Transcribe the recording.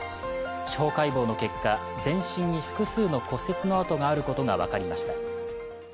司法解剖の結果、全身に複数の骨折の跡があることが分かりました。